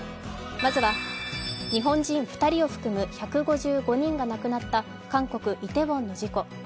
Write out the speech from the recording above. まずは日本人２人を含む１５５人が亡くなった韓国・イテウォンの事故。